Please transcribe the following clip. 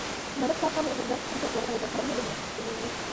ملک صاحب هم اوس بزرگی ته شروع کړې ده، تارونه دموي.